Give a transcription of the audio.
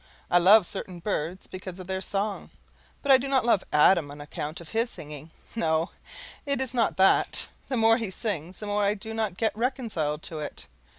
I love certain birds because of their song; but I do not love Adam on account of his singing no, it is not that; the more he sings the more I do not get reconciled to it.